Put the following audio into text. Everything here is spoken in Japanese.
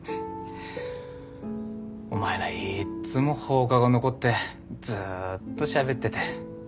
お前らいっつも放課後残ってずーっとしゃべってて。